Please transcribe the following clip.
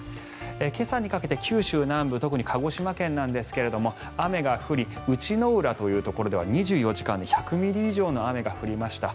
今朝にかけて九州南部特に鹿児島県なんですが雨が降り内之浦というところでは２４時間で１００ミリ以上の雨が降りました。